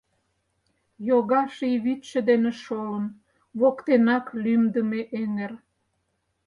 Йога ший вӱдшӧ дене шолын Воктенак лӱмдымӧ эҥер.